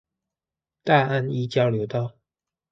大安一交流道